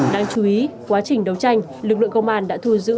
đáng chú ý quá trình đấu tranh lực lượng công an đã thu giữ